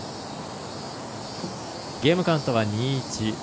ゲームカウントは２−１。